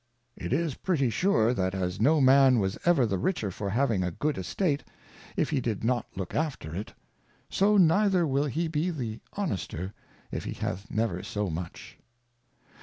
It is pretty sure, that as no Man was ever the Richer for having a good Estate, if he did not look after it ; so neither will he be the Honester if he hath never so much.